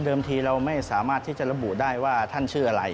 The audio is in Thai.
ทีเราไม่สามารถที่จะระบุได้ว่าท่านชื่ออะไร